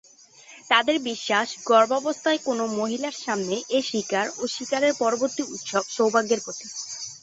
তাদের বিশ্বাস, গর্ভাবস্থায় কোনো মহিলার সামনে এ শিকার ও শিকার-পরবর্তী উৎসব সৌভাগ্যের প্রতীক।